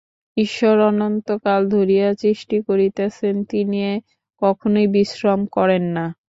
ঈশ্বর অনন্তকাল ধরিয়া সৃষ্টি করিতেছেন, তিনি কখনই বিশ্রাম করেন না।